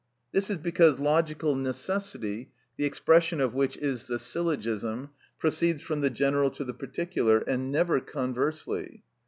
This is because logical necessity, the expression of which is the syllogism, proceeds from the general to the particular, and never conversely.